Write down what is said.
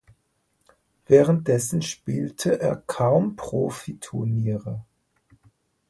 Währenddessen spielte er kaum Profiturniere.